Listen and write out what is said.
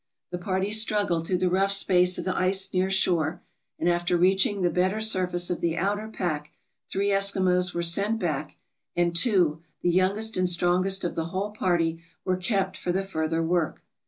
The party struggled through the rough space of ice near shore, and after reaching the better surface of the outer pack three Eskimos were sent back, and two, the youngest and strongest of the whole party, were kept for the further work.